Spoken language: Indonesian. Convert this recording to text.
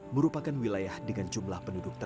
merupakan wilayah dengan jumlah penduduk